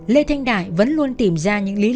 lê thanh đại vẫn luôn tìm ra công cụ để phí tàng